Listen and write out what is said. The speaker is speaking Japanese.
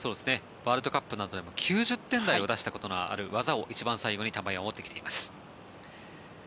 ワールドカップなどでも９０点台を出したことのある技を一番最後に玉井は持ってきています。